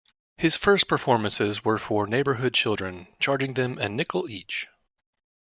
His first performances were for neighborhood children, charging them a nickel each.